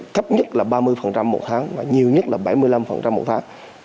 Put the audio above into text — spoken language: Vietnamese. thấp nhất là ba mươi một tháng và nhiều nhất là bảy mươi năm một tháng